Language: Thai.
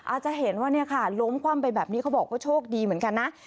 อาจจะเห็นว่าเนี่ยค่ะล้มคว่ำไปแบบนี้เขาบอกว่าโชคดีเหมือนกันนะ